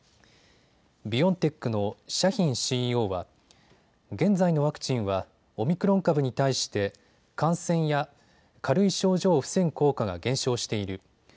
ビオンテックのシャヒンＣＥＯは現在のワクチンはオミクロン株に対して感染や軽い症状を防ぐ効果が減少している。